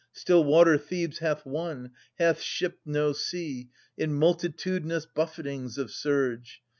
Still water Thebes hath won, hath shipped no sea In multitudinous buffetings of surge.